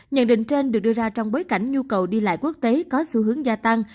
nhận định trên được đưa ra trong bối cảnh nhu cầu đi lại quốc tế có xu hướng gia tăng